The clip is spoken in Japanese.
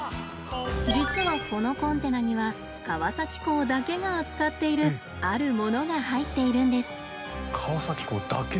実はこのコンテナには川崎港だけが扱っているあるものが入っているんです。